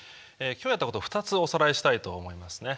今日やったことを２つおさらいしたいと思いますね。